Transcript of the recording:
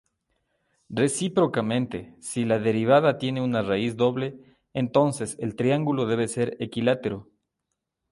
Recíprocamente, si la derivada tiene una raíz doble, entonces el triángulo debe ser equilátero.